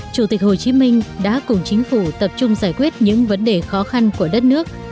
chủ tịch hồ chí minh đã cùng chính phủ tập trung giải quyết những vấn đề khó khăn của đất nước